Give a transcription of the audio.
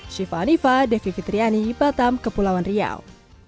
syifa hanifa devi fitriani batam kepulauan riau